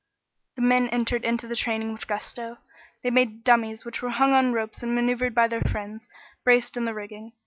The men entered into the training with gusto. They made dummies which were hung on ropes and maneuvered by their friends, braced in the rigging.